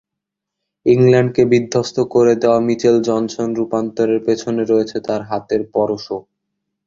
ইংল্যান্ডকে বিধ্বস্ত করে দেওয়া মিচেল জনসনের রূপান্তরের পেছনে রয়েছে তাঁর হাতের পরশও।